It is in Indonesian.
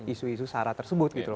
isu isu syarat tersebut